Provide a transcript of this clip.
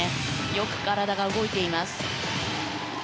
よく体が動いています。